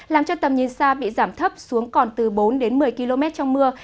làm cho tầm nhìn xa bị giảm thấp xuống còn từ bốn đến một mươi km trong mưa